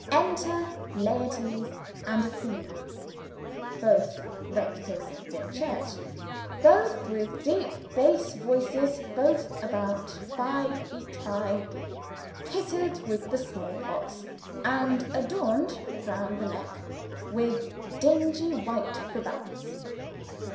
"Enter Laertes and Ophelia." (Both Rectors of Dimchurch; both with deep bass voices; both about five feet high, pitted with the small pox, and adorned round the neck with dingy white cravats.)